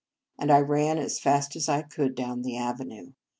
And I ran as fast as I could down the avenue.